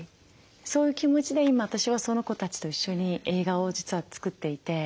そういう気持ちで今私はその子たちと一緒に映画を実は作っていて。